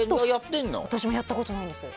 私もやったことないんですよ。